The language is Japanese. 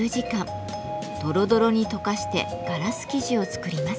ドロドロに溶かしてガラス素地を作ります。